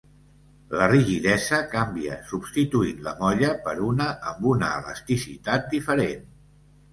La rigidesa canvia substituint la molla per una amb una elasticitat diferent.